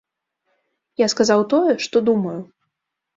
Я сказаў тое, што думаю.